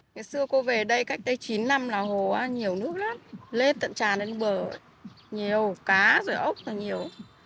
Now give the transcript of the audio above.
ngày xưa cô về đây cách đây chín năm là hồ nhiều nước lên tận tràn lên bờ nhiều cá rồi ốc là nhiều